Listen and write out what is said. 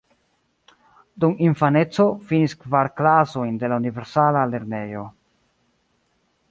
Dum infaneco finis kvar klasojn de la universala lernejo.